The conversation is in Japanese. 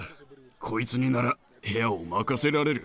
こいつになら部屋を任せられる。